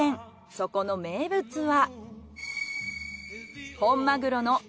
そこの名物は。